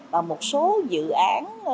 và một số dự án